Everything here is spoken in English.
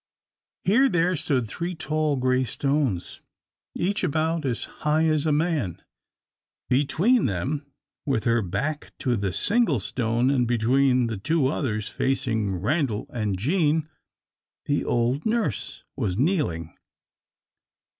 Here there stood three tall grey stones, each about as high as a man. Between them, with her back to the single stone, and between the two others facing Randal and Jean, the old nurse was kneeling.